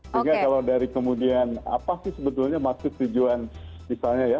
sehingga kalau dari kemudian apa sih sebetulnya maksud tujuan misalnya ya